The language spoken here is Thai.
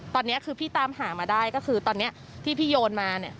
ตอนนี้คือพี่ตามหามาได้ก็คือตอนนี้ที่พี่โยนมาเนี่ย